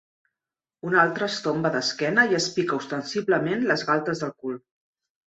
Un altre es tomba d'esquena i es pica ostensiblement les galtes del cul.